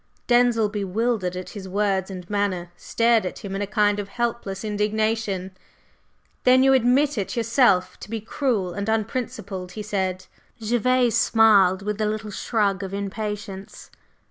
Denzil, bewildered at his words and manner, stared at him in a kind of helpless indignation. "Then you admit yourself to be cruel and unprincipled?" he said. Gervase smiled, with a little shrug of impatience.